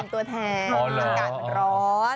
ตัวแมนกะนร้อน